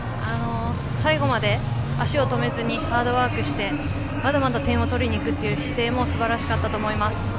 最後まで足を止めずにハードワークしてまだまだ点を取りにいくという姿勢もすばらしかったと思います。